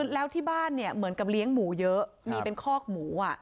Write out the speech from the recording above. แล้วที่บ้านเนี่ยเหมือนกับเลี้ยงหมูเยอะมีเป็นคอกหมู